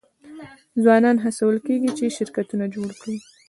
ځوانان هڅول کیږي چې شرکتونه جوړ کړي.